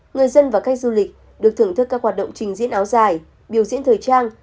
người dân và khách du lịch được thưởng thức các hoạt động trình diễn áo dài biểu diễn thời trang